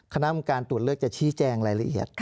คณะกรรมการตรวจเลือกจะชี้แจงรายละเอียด